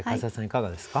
いかがですか？